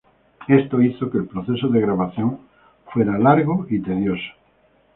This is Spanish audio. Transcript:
Esto hizo que el proceso de grabación fuera largo y tedioso.